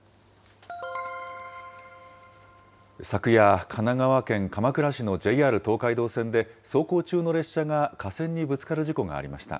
昨夜、神奈川県鎌倉市のＪＲ東海道線で、走行中の列車が架線にぶつかる事故がありました。